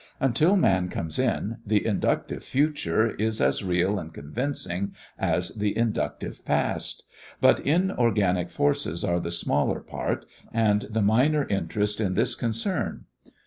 Until man comes in, the inductive future is as real and convincing as the inductive past. But inorganic forces are the smaller part and the minor interest in this concern.